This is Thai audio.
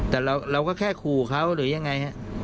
แต่เราก็แค่ขู่เขาหรือยังไงฮะ